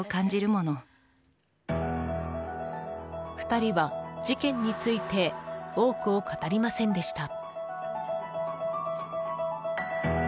２人は事件について多くを語りませんでした。